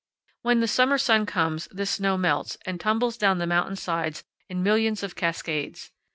When the summer sun comes this snow melts and tumbles down the mountain sides in millions of cascades.